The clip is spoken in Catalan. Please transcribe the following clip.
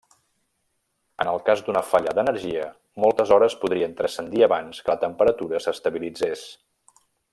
En el cas d'una falla d'energia, moltes hores podrien transcendir abans que la temperatura s'estabilitzés.